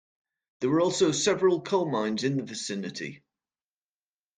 There were also several coal-mines in the vicinity.